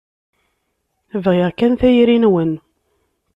Bɣiɣ kan tayri-nwen.